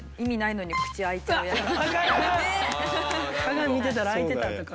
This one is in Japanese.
鏡見てたら開いてたとか。